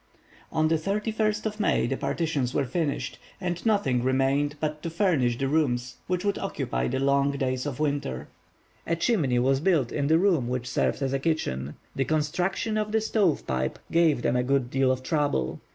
On May 31, the partitions were finished, and nothing remained but to furnish the rooms, which would occupy the long days of winter. A chimney was built in the room which served as a kitchen. The construction of the stove pipe gave them a good deal of trouble.